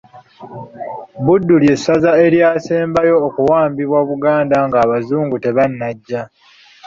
Buddu ly'essaza eryasembayo okuwambibwa Buganda ng'Abazungu tebannajja